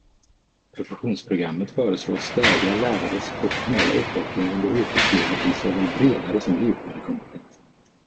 Professionsprogrammet föreslås stödja lärares professionella utveckling under yrkeslivet till såväl bredare som djupare kompetens.